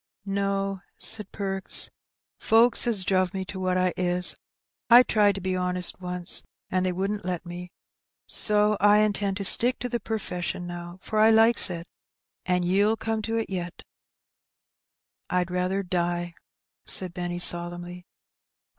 " No," said Perks :" folks 'as druv' me to what T is. I tried to be honest once, an' they wouldn't let me, an' so I Peeks Again. 393 intends to stick to the perfession now, for I likes it; an* ye^ll come to it yet." Fd rather die/' said Benny solemnly.